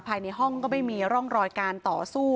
ภายในห้องก็ไม่มีร่องรอยการต่อสู้